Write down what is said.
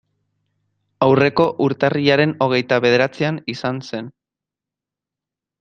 Aurreko urtarrilaren hogeita bederatzian izan zen.